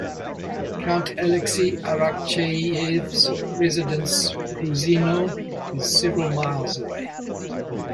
Count Alexey Arakcheyev's residence Gruzino is several miles away.